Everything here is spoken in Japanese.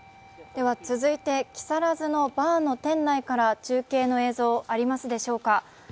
続いて、木更津のバーの店内から中継の映像、ありますでしょうか。